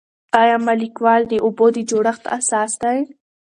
آیا مالیکول د اوبو د جوړښت اساس دی؟